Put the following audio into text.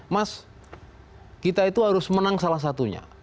mas kita itu harus menang salah satunya